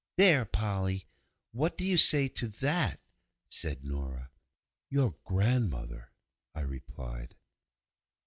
'There, Polly, what do you say to that?' said Nora. 'Your grandmother!' I replied.